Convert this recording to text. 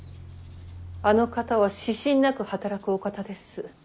あの方は私心なく働くお方です。